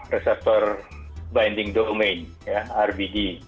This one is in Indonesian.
receptor binding domain ya rbd